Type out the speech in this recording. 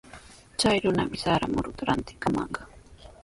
Chay runami sara muruta rantikamanqa.